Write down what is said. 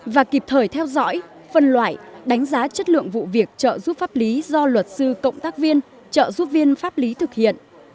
và kịp thời theo dõi phân loại đánh giá chất lượng vụ việc trợ giúp pháp lý do luật sư cộng tác viên trợ giúp viên pháp lý thực hiện